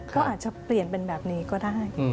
ก็อาจจะเปลี่ยนเป็นแบบนี้ก็ได้